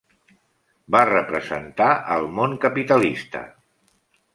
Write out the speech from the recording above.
Va representar al món capitalista.